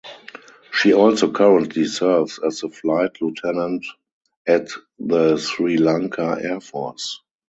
She also currently serves as the flight lieutenant at the Sri Lanka Air Force.